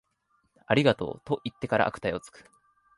ありがとう、と言ってから悪態をつく